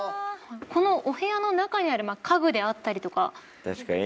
このお部屋の中にある家具であったりとか。